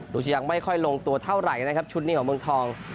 จะยังไม่ค่อยลงตัวเท่าไหร่นะครับชุดนี้ของเมืองทอง